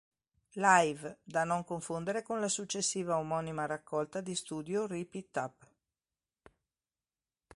Live", da non confondere con la successiva omonima raccolta di studio "Rip It Up".